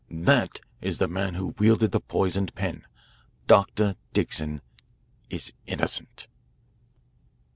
That is the man who wielded the poisoned pen. Dr. Dixon is innocent.